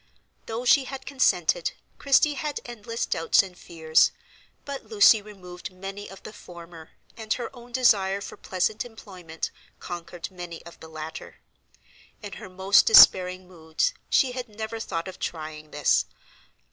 Though she had consented, Christie had endless doubts and fears, but Lucy removed many of the former, and her own desire for pleasant employment conquered many of the latter. In her most despairing moods she had never thought of trying this.